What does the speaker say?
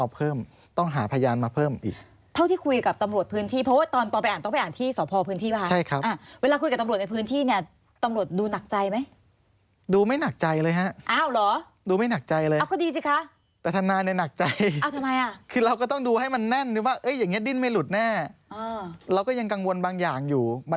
พยายามบอกเท่าที่จะไม่กระทบได้นะครับ